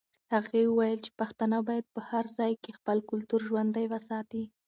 هغې وویل چې پښتانه باید په هر ځای کې خپل کلتور ژوندی وساتي.